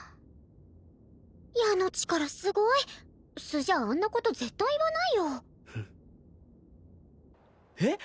矢の力すごい素じゃあんなこと絶対言わないよえっ？